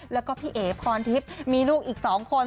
แล้วก็พี่เอ๋พรทิพย์มีลูกอีก๒คน